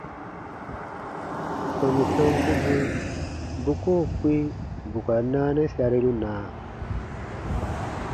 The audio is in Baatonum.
Tɔnu sankubu bu koo kpĩ bù ka naanɛ sariru na?